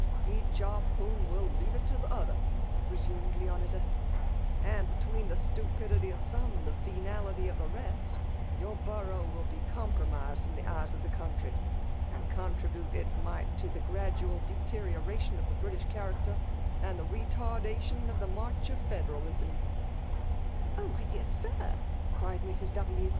FKMALS DOHINATIOK. 119 '< Sach of wb6m irill leave it to the other/' tesamed Lieoiiidas ;" and between the stu fndity of some and the venality of the rest, your borough will be compromiBed in the eyes of the eoimtry, and contribute its mite to the gradual deterioration of the British character and the retardation of the march of fbderal •* Oh ! my dear Sir, cried Mrs. W.